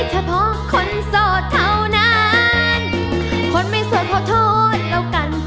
เฉพาะคนโสดเท่านั้นคนไม่โสดขอโทษแล้วกัน